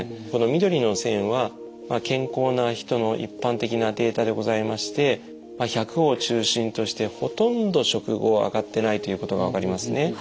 この緑の線は健康な人の一般的なデータでございまして１００を中心としてほとんど食後上がってないということが分かりますね。